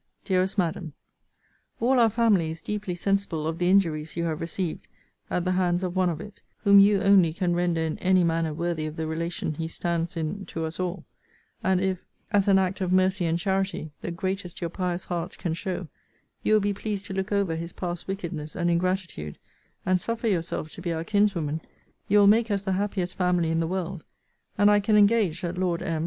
DEAREST MADAM, All our family is deeply sensible of the injuries you have received at the hands of one of it, whom you only can render in any manner worthy of the relation he stands in to us all: and if, as an act of mercy and charity, the greatest your pious heart can show, you will be pleased to look over his past wickedness and ingratitude, and suffer yourself to be our kinswoman, you will make us the happiest family in the world: and I can engage, that Lord M.